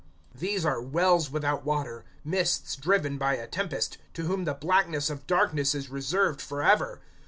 (17)These are wells without water, mists driven by a tempest, to whom the blackness of darkness is reserved forever.